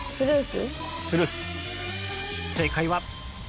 正解は